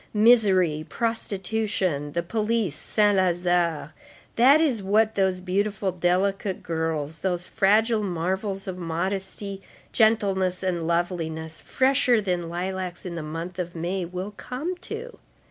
Misery, prostitution, the police, Saint Lazare—that is what those beautiful, delicate girls, those fragile marvels of modesty, gentleness and loveliness, fresher than lilacs in the month of May, will come to.